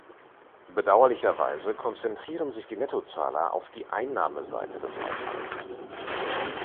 Bedauerlicherweise konzentrieren sich die Nettozahler auf die Einnahmeseite des Haushalts.